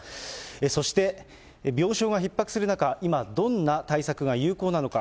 そして、病床がひっ迫する中、今、どんな対策が有効なのか。